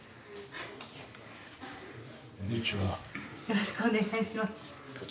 よろしくお願いします。